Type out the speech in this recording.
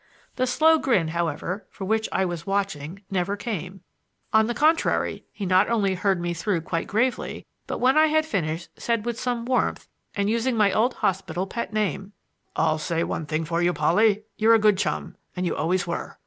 The slow grin, however, for which I was watching, never came; on the contrary, he not only heard me through quite gravely, but when I had finished said with some warmth, and using my old hospital pet name: "I'll say one thing for you, Polly; you're a good chum, and you always were.